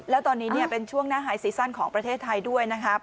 แล้วตอนนี้เป็นช่วงหน้าหายซีซั่นของประเทศไทยด้วยนะครับ